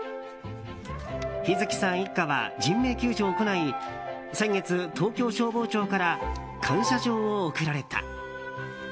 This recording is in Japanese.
陽月さん一家は、人命救助を行い先月、東京消防庁から感謝状を贈られた。